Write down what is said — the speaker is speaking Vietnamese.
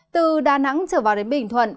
từ đà nẵng trở vào đến bình thuận